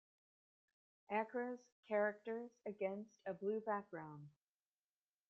Acres characters, against a blue background.